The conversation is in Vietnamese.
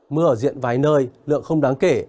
mưa ở diện vài nơi lượng không đáng kể